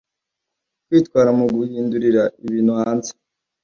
kwitwara muguhindurira ibintu hanze